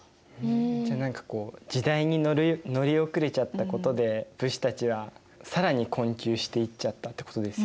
じゃあ何かこう時代に乗り遅れちゃったことで武士たちは更に困窮していっちゃったってことですよね。